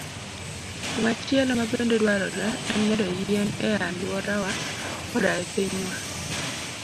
Gimachielo mabende dwarore en medo yien e alworawa koda e pinywa.